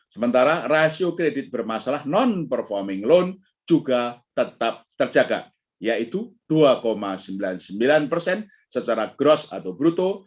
sementara rasio kredit bermasalah non performing loan juga tetap terjaga yaitu dua sembilan puluh sembilan persen secara gross atau bruto